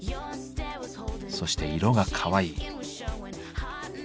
そして色がかわいい。